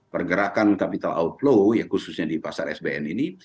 pergerakan capital outflow khususnya di pasar sbn ini